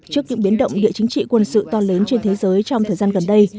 trước những biến động địa chính trị quân sự to lớn trên thế giới trong thời gian gần đây